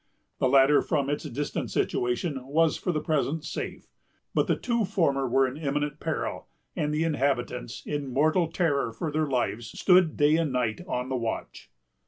The latter, from its distant situation, was, for the present, safe; but the two former were in imminent peril, and the inhabitants, in mortal terror for their lives, stood day and night on the watch.